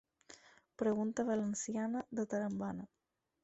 Pregunta valenciana, de tarambana.